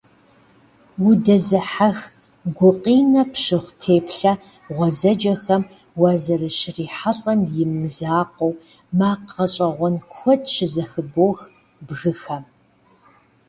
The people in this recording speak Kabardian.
Удэзыхьэх, гукъинэ пщыхъу теплъэ гъуэзэджэхэм уазэрыщрихьэлIэм и мызакъуэу, макъ гъэщIэгъуэн куэд щызэхыбох бгыхэм.